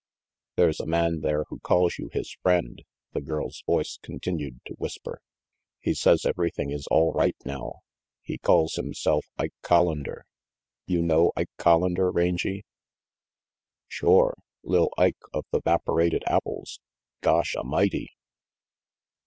"There's a man there who calls you his friend," the girl's voice continued to whisper. "He says everything is all right now. He calls himself Ike (Hollander. You know Ike Collander, Rangy?" "Shore Li'l Ike of the 'vaporated apples. Gosh A'mighty!"